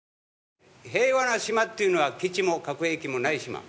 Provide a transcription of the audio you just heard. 平和な島というのは基地も核兵器もない島。